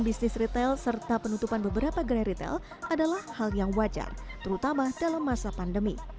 bisnis retail serta penutupan beberapa gerai retail adalah hal yang wajar terutama dalam masa pandemi